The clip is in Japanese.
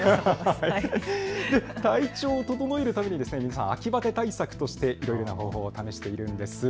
体調を整えるために皆さん秋バテ対策としていろいろな方法を試しているんです。